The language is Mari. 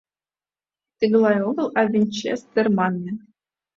Тыглай огыл, а винчестер манме.